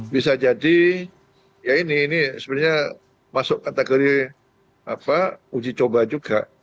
bisa jadi ya ini ini sebenarnya masuk kategori uji coba juga